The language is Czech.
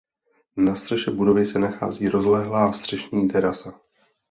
Na střeše budovy se nachází rozlehlá střešní terasa.